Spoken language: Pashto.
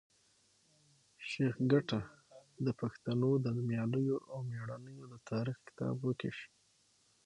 شېخ کټه د پښتنو د نومیالیو او مېړنیو د تاریخ کتاب وکېښ.